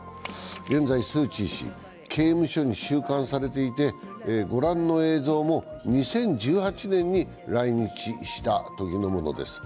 現在、スー・チー氏刑務所に収監されていて、ご覧の映像も２０１８年に来日したときのものです。